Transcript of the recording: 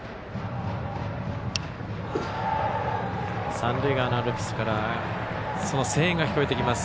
三塁側のアルプスから声援が聞こえてきます。